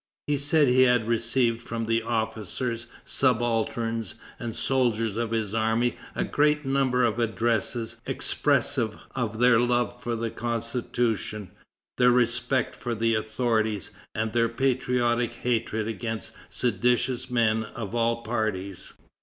He said he had received from the officers, subalterns, and soldiers of his army a great number of addresses expressive of their love for the Constitution, their respect for the authorities, and their patriotic hatred against seditious men of all parties.